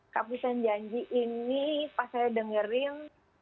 kapusan janji ini pas saya dengerin